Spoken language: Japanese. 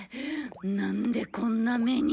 なんでこんな目に。